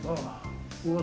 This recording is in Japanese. うわ。